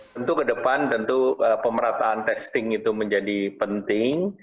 tentu ke depan tentu pemerataan testing itu menjadi penting